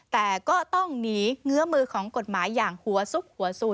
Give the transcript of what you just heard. แต่ก็ต้องหนีเงื้อมือของกฎหมายอย่างหัวซุกหัวสุน